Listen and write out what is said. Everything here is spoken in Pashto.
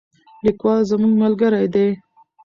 لیکوال زموږ ملګری دی.